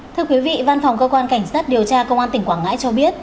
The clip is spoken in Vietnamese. thưa quý vị văn phòng cơ quan cảnh sát điều tra công an tỉnh quảng ngãi cho biết